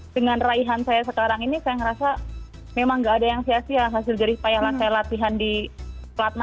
dengan raihan saya sekarang ini saya ngerasa memang gak ada yang sia sia hasil dari payahlah saya latihan di platnas